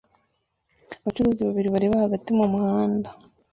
Abacuruzi babiri bareba hagati mu muhanda